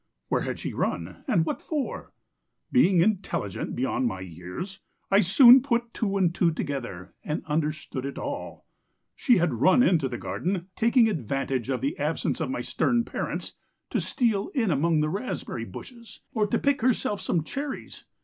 Where had she run, and what for? Being intelligent beyond my years I soon put two and two together, and understood it all: she had run into the garden, taking advantage of the absence of my stern parents, to steal in among the raspberry bushes, or to pick herself some cherries.